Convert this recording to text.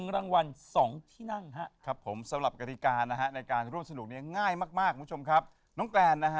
๑รางวัล๒ที่นั่ง